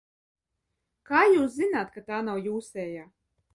Kā jūs zināt, ka tā nav jūsējā?